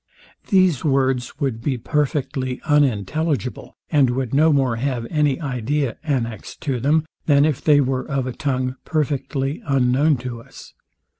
These words would be perfectly unintelligible, and would no more have any idea annexed to them, than if they were of a tongue perfectly unknown to us.